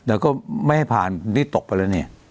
แต่ก็ไม่ให้ผ่านนี่ตกไปแล้วนี่